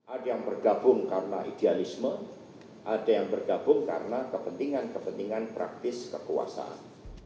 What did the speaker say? ada yang bergabung karena idealisme ada yang bergabung karena kepentingan kepentingan praktis kekuasaan